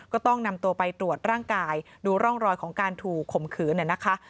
ก็ต้องนำตัวไปตรวจร่างกายดูร่องรอยของการถูกข่มขืนนะคะ